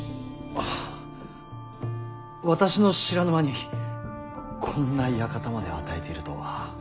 あ私の知らぬ間にこんな館まで与えているとは。